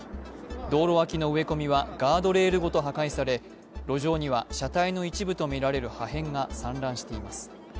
道路脇の植え込みはガードレールごと破壊され路上には車体の一部とみられる破片が散乱しています。